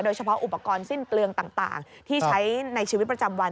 เฉพาะอุปกรณ์สิ้นเปลืองต่างที่ใช้ในชีวิตประจำวัน